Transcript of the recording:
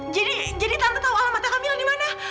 jadi jadi tante tahu alam mata kamila di mana